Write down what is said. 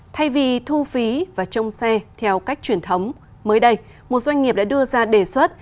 thay vì thu phí và trông xe theo cách truyền thống mới đây một doanh nghiệp đã đưa ra đề xuất